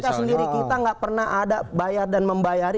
mereka sendiri kita gak pernah ada bayar dan membayari